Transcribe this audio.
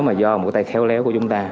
mà do một tay khéo léo của chúng ta